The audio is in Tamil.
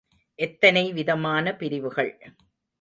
எத்தனை விதமான பிரிவுகள்.